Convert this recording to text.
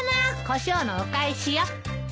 コショウのお返しよ。